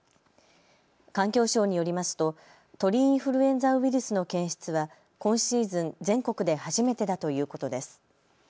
環境省によりますと鳥インフルエンザウイルスの検出は今シーズン全国で初めてだということです。